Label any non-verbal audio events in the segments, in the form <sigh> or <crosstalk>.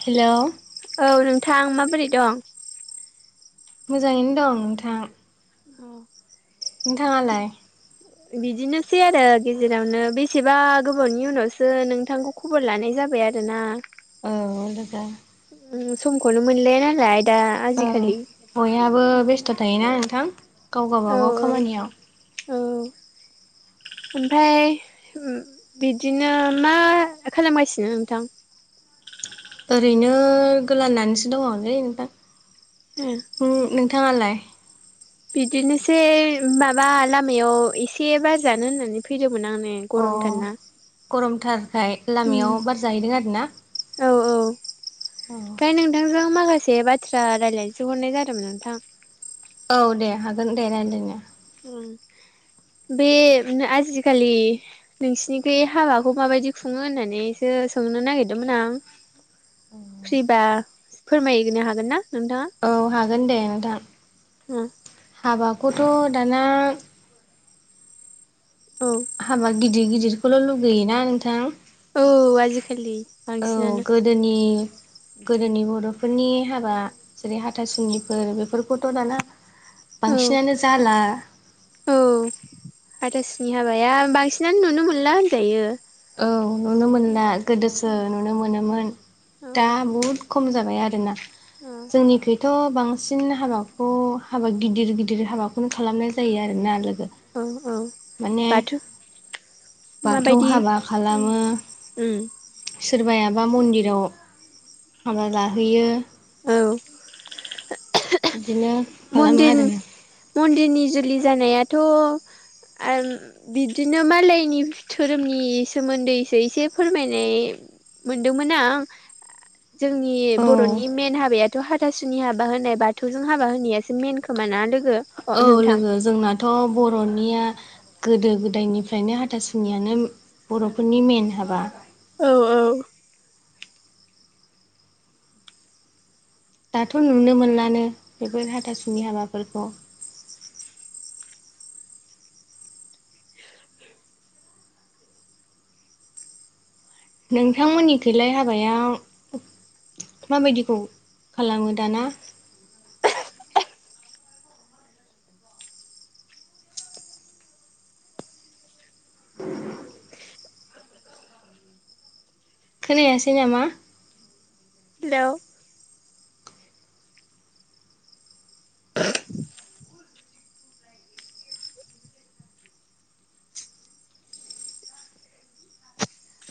Hello औ नोंथां माबोरै दं? मोजाङैनो दं नोंथां। नोंथाङालाय। बिदिनोसै आरो गेजेरावनो बेसेबा गोबावनि उनावसो नोंथांखौ खबर लानाय जा बाय आरोना। औ लोगो। समखौनो मोनलाया नालाय दा औ आजि खालि बयहाबो बेस्थ' थायोना नोंथां गाव गावबागाव खामानियाव औ ओमफ्राय बिदिनो मा खालामगासिनो नोंथां? <inaudible> गोलांनानैसो दङोलै नोंथां ए नोंथाङालाय? बिदिनोसै माबा लामायाव एसे बार जानो होननानै फैदों। मोन आं नै अ गरमथारना। गरमथारखाय उम लामायाव बार जाहैदों आरोना? औ औ ओमफ्राय नोंथांजों माखासे बाथ्रा रायज्लायनोसो हरनाय जादोंमोन नोंथां। औ दे हागोन दे रायलायनो। उम बे आजि खालि नोंसिनिखि हाबाखौ माबायदि खुङो होननानैसो सोंनो नागिरदोंमोन आं फ्रिबा फोरमायनो हागोन ना? नोंथाङा औ हागोन दे नोंथां हाबाखौथ' दाना औ हाबा गिदिर गिदिरखौल' लुगैयोना नोंथां। औ आजिखालि औ बांसिनानो गोदोनि गोदोनि बर'फोरनि हाबा जेरै हाथासुनिफोर बेफोरखौथ' दाना औ बांसिनानो जाला नि हाबाया बांसिनानो नुनो मोनला होनजायो। औ नुनो मोनला गोदोसो नुनो मोनोमोन औ दा बहुद ख म जाबाय आरोना औ जोंनिखै थ' बांसिन हाबाखौ हाबा गिदिर गिदिर हाबाखौनो खालामनाय जायो आरोना औ औ माने बाथौ बाथौ माबायदि हाबा उम खालामो उम सोरबायाबा मन्दिराव हाबा लाहैयो औ। बिदिनो खालामो मन्दिर आरोना मन्दिरनि जुलि जानायाथ' आरो बिदिनो मालायनि धोरोमनि सोमोन्दैसो एसे फोरमायनाय मोनदोंमोन आं जोंनि औ बर'नि मेन हाबायाथ' हाथासुनि हाबा होनाय बाथौजों हाबा होनाया सो मेन खोमाना लोगो। औ लोगो जोंनाथ' बर'निया गोदो गोदायनिफ्रायनो हाथासुनियानो बर'फोरनि मेन हाबा। औ औ दाथ' नुनो मोनलानो बेफोर हाथासुनि हाबाफोरखौ। <inaudible> नोंथांमोननि खैलाय हाबाया माबायदिखौ खालामो दाना? <unintelligible> <unintelligible> खोनायासै नामा? हेलौ।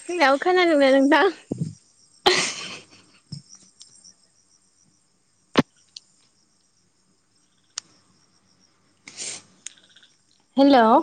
हेल' खोनानाय बायदि मोनदां । हेल'